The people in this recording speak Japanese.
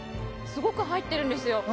すごく入ってるんですよ。